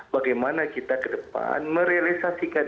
bagaimana kita ke depan merealisasikan